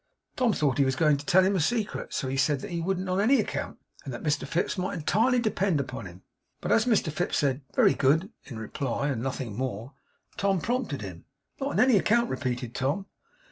Tom thought he was going to tell him a secret; so he said that he wouldn't on any account, and that Mr Fips might entirely depend upon him. But as Mr Fips said 'Very good,' in reply, and nothing more, Tom prompted him: 'Not on any account,' repeated Tom.